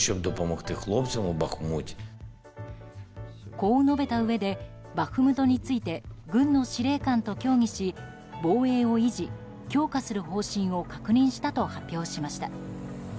こう述べたうえでバフムトについて軍の司令官と協議し防衛を維持・強化する方針を確認したと発表しました。